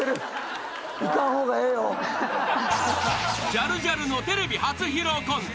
［ジャルジャルのテレビ初披露コント］